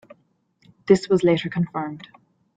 This was later confirmed.